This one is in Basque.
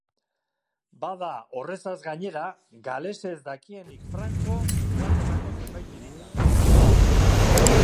Bada, horrezaz gainera, galesez dakienik franko Ingalaterrako zenbait hiritan.